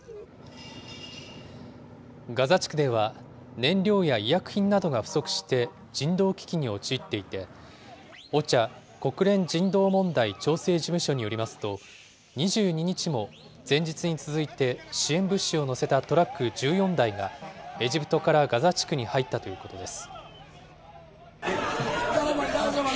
ガザ地区では、燃料や医薬品などが不足して、人道危機に陥っていて、ＯＣＨＡ・国連人道問題調整事務所によりますと、２２日も前日に続いて、支援物資を載せたトラック１４台が、エジプトからガザ地区に入ったということです。